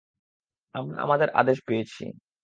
আমরা আমাদের আদেশ পেয়েছি।